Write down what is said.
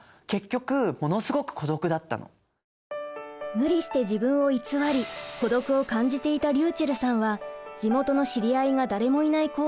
無理して自分を偽り孤独を感じていたりゅうちぇるさんは地元の知り合いが誰もいない高校へ進学。